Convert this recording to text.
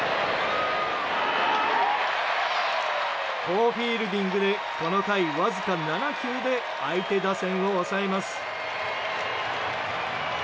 好フィールディングでこの回わずか７球で相手打線を抑えます。